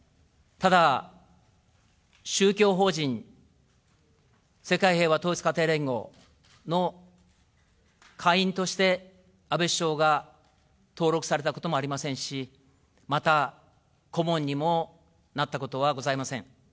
ただ、宗教法人世界平和統一家庭連合の会員として、安倍首相が登録されたこともありませんし、また、顧問にもなったことはございません。